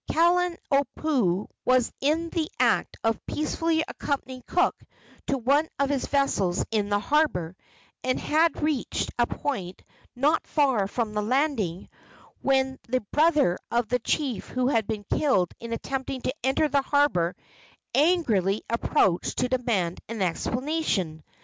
Kalaniopuu was in the act of peacefully accompanying Cook to one of his vessels in the harbor, and had reached a point not far from the landing, when the brother of the chief who had been killed in attempting to enter the harbor angrily approached to demand an explanation.